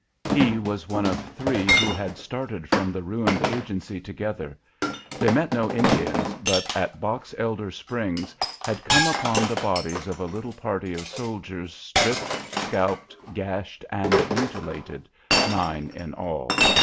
He was one of three who had started from the ruined agency together. They met no Indians, but at Box Elder Springs had come upon the bodies of a little party of soldiers stripped, scalped, gashed, and mutilated, nine in all.